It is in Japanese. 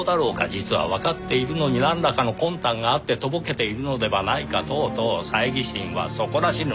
実はわかっているのになんらかの魂胆があってとぼけているのではないか等々猜疑心は底なし沼。